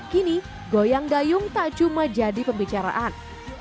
kini goyang dayung tak cuma jadi pembicaraan